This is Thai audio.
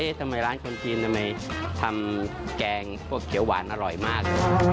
ทำไมร้านคนจีนทำไมทำแกงพวกเขียวหวานอร่อยมากเลย